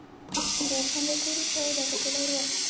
ميرويس خان له تورو چايو ډکه پياله ور واخيسته.